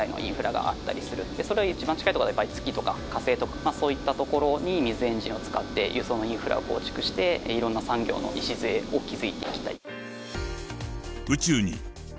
それを一番近い所で月とか火星とかそういった所に水エンジンを使って輸送のインフラを構築して色んな産業の礎を築いていきたい。